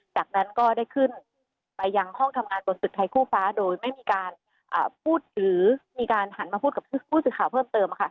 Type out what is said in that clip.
จากนั้นก็ได้ขึ้นไปยังห้องทำงานบนตึกไทยคู่ฟ้าโดยไม่มีการพูดหรือมีการหันมาพูดกับผู้สื่อข่าวเพิ่มเติม